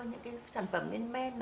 những sản phẩm men men